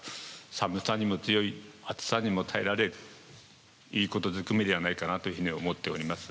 寒さにも強い暑さにも耐えられるいいことずくめではないかなというふうに思っております。